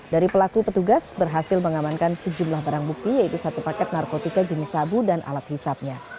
dari pelaku petugas berhasil mengamankan sejumlah barang bukti yaitu satu paket narkotika jenis sabu dan alat hisapnya